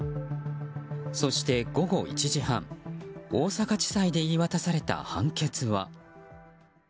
そして午後１時半大阪地裁で言い渡された判決は。